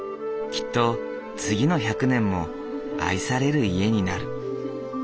きっと次の１００年も愛される家になる。